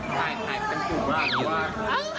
ขายเป็นผู้หรอหรือว่า